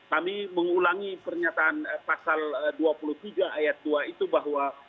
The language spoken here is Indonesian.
kami mengulangi pernyataan pasal dua puluh tiga ayat dua itu bahwa